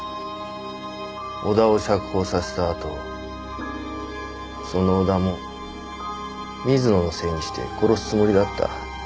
小田を釈放させたあとその小田も水野のせいにして殺すつもりだった。